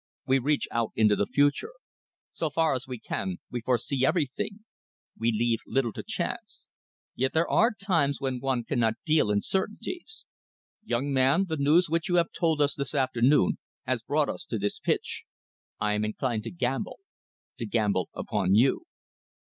We reach out into the future. So far as we can, we foresee everything. We leave little to chance. Yet there are times when one cannot deal in certainties. Young man, the news which you have told us this afternoon has brought us to this pitch. I am inclined to gamble to gamble upon you."